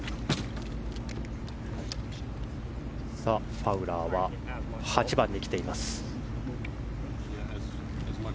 ファウラーは８番に来ています。